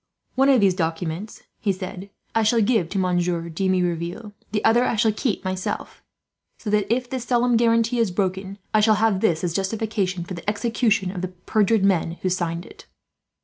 "One of these documents," he said, "I shall give to Monsieur de Merouville. The other I shall keep myself, so that, if this solemn guarantee is broken, I shall have this as a justification for the execution of the perjured men who signed it."